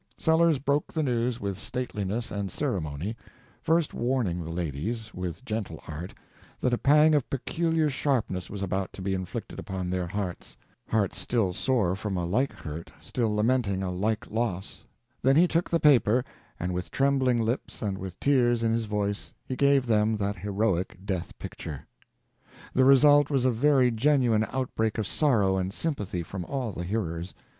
Sellers broke the news with stateliness and ceremony, first warning the ladies, with gentle art, that a pang of peculiar sharpness was about to be inflicted upon their hearts—hearts still sore from a like hurt, still lamenting a like loss—then he took the paper, and with trembling lips and with tears in his voice he gave them that heroic death picture. The result was a very genuine outbreak of sorrow and sympathy from all the hearers.